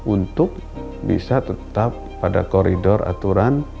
untuk bisa tetap pada koridor aturan